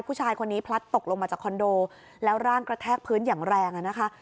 ผู้ชายคนนี้พลัดตกลงมาจากคอนโดแล้วร่างกระแทกพื้นอย่างแรงนะคะ